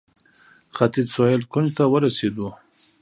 ختیځ سهیل کونج ته ورسېدو.